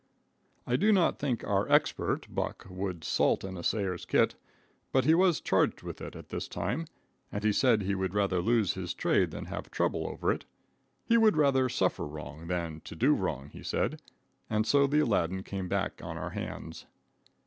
I do not think our expert, Buck, would salt an assayer's kit, but he was charged with it at this time, and he said he would rather lose his trade than have trouble over it. He would rather suffer wrong than to do wrong, he said, and so the Aladdin came back on our hands.